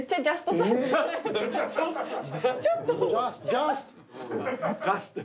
ジャスト！